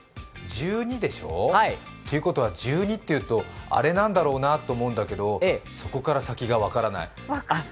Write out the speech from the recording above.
ということは、１２というとあれなんだろうなと思うんだけれども、そこから先が分からない。